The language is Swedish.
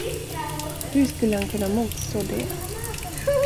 Hur skulle han kunna motstå det.